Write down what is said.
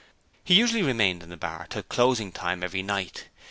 He usually remained in the bar until closing time every night.